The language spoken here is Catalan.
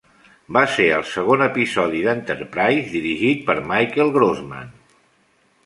Va ser el segon episodi d'"Enterprise" dirigit per Michael Grossman.